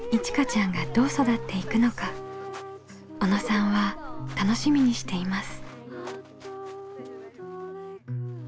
小野さんは楽しみにしています。